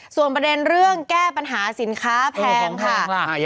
ส่วนประเด็นเรื่องแก้ปัญหาสินค้าแพงค่ะ